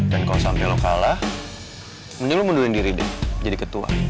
dan kalau sampe lo kalah mending lo mundurin diri deh jadi ketua